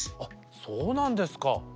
そうなんですか。